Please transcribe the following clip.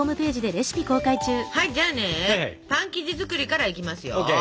はいじゃあねパン生地作りからいきますよ。